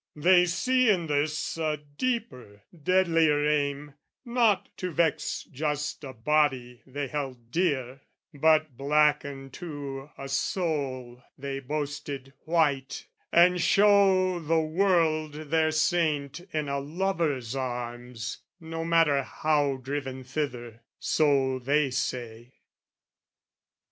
They see in this a deeper deadlier aim, Not to vex just a body they held dear, But blacken too a soul they boasted white, And show the world their saint in a lover's arms, No matter how driven thither, so they say.